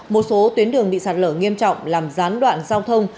một số tuyến đường bị sạt lở nghiêm trọng làm gián đoạn giao thông